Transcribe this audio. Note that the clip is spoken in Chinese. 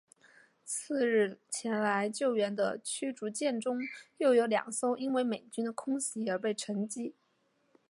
次日前来救援的驱逐舰中又有两艘因为美军的空袭而被击沉。